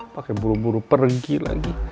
pakai buru buru pergi lagi